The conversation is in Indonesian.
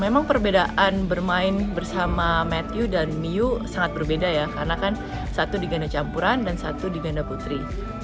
memang perbedaan bermain bersama matthew dan miu sangat berbeda ya karena kan satu di ganda campuran dan satu di ganda putri